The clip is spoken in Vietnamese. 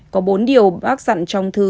có bốn điều bác dặn trong thư